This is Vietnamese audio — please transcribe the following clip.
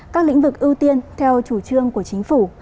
các lĩnh vực ưu tiên theo chủ trương của chính phủ